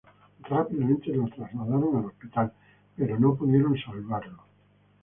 Rápidamente lo trasladaron al hospital, pero no pudieron salvarlo.